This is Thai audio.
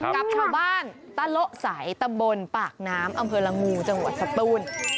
กับชาวบ้านตะโละสายตำบลปากน้ำอำเภอละงูจังหวัดสตูน